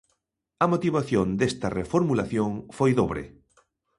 A motivación desta reformulación foi dobre.